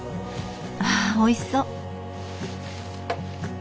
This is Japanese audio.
ああおいしそう！